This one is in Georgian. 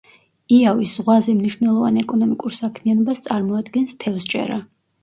იავის ზღვაზე მნიშვნელოვან ეკონომიკურ საქმიანობას წარმოადგენს თევზჭერა.